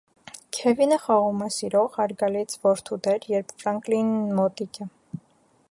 Քևինը խաղում է սիրող, հարգալից որդու դեր, երբ Ֆրանկլինն մոտիկ է։